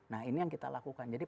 nah ini yang kita lakukan jadi